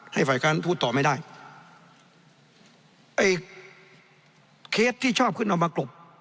ฝ่ายค้านพูดต่อไม่ได้ไอ้เคสที่ชอบขึ้นเอามากรบ